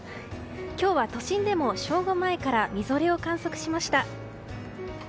今日は都心でも正午前からみぞれを観測しました。